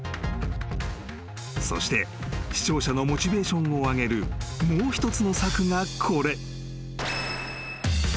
［そして視聴者のモチベーションを上げるもう一つの策がこれ］